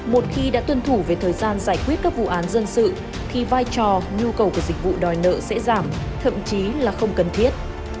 một khi đã tuân thủ về thời gian giải quyết các vụ án dân sự thì vai trò nhu cầu của dịch vụ đòi nợ sẽ giảm thậm chí là không cần thiết